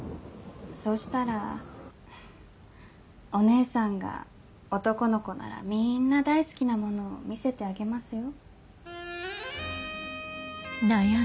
そうしたらお姉さんが男の子ならみんな大好きなものを見せてあげますよ。